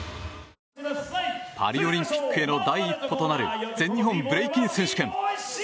パリオリンピックへの第一歩となる全日本ブレイキン選手権。